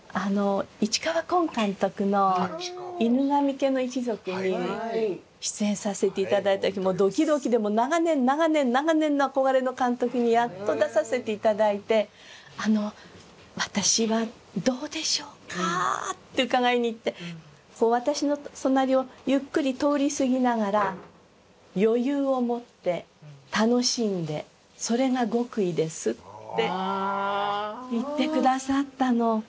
市川崑監督の「犬神家の一族」に出演させて頂いた時もうドキドキでもう長年長年長年の憧れの監督にやっと出させて頂いて「あの私はどうでしょうか？」って伺いに行って私の隣をゆっくり通り過ぎながら「余裕を持って楽しんでそれが極意です」って言って下さったの。